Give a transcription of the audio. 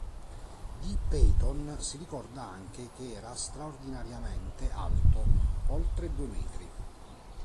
Di Peyton si ricorda anche che era straordinariamente alto, oltre due metri.